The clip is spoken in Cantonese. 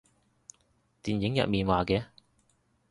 電影入面話嘅